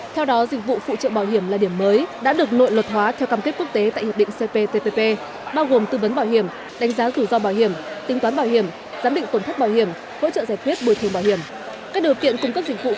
theo đó dịch vụ phụ trợ bảo hiểm là điểm mới đã được nội luật hóa theo cam kết quốc tế tại hiệp định cptpp bao gồm tư vấn bảo hiểm đánh giá rủi ro bảo hiểm tính toán bảo hiểm giám định tổn thất bảo hiểm hỗ trợ giải quyết bồi thường bảo hiểm